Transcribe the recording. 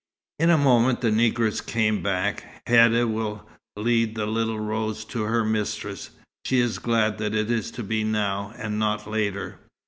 In a moment the negress came back. "Hadda will lead the Little Rose to her mistress. She is glad that it is to be now, and not later."